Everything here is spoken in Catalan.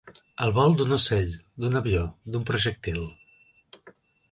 El vol d'un ocell, d'un avió, d'un projectil.